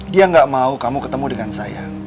dia gak mau kamu ketemu dengan saya